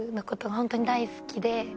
本当に大好きで。